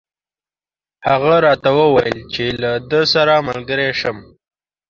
هغه راته وویل چې له ده سره ملګری شم.